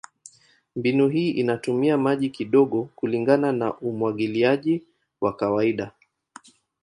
Mbinu hii inatumia maji kidogo kulingana na umwagiliaji wa kawaida.